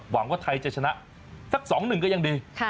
หวังว่าไทยจะชนะสักสองหนึ่งก็ยังดี